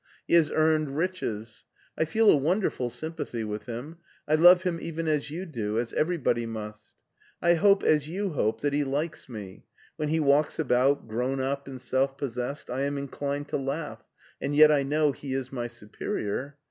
He has earned riches. I feel a wonderful sympathy with him. I love him even as you do, as everybody must. I liope, as you hope, that he likes me. When he walks about, grown up and self pos sessed, I am inclined to laugh, and yet I know he is my superior.